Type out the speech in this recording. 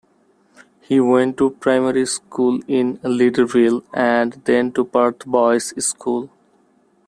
He went to primary school in Leederville, and then to Perth Boys School.